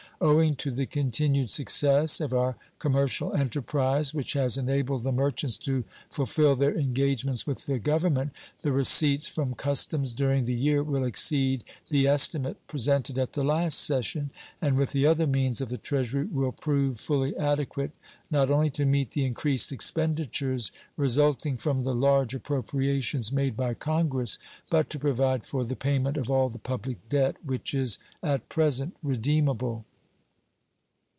Owing to the continued success of our commercial enterprise, which has enabled the merchants to fulfill their engagements with the Government, the receipts from customs during the year will exceed the estimate presented at the last session, and with the other means of the Treasury will prove fully adequate not only to meet the increased expenditures resulting from the large appropriations made by Congress, but to provide for the payment of all the public debt which is at present redeemable.